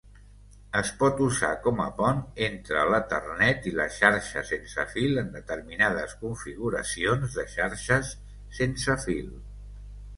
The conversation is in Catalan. Es pot usar com a pont entre l'Ethernet i la xarxa sense fil en determinades configuracions de xarxes sense fil.